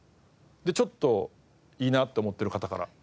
でちょっといいなって思ってる方から。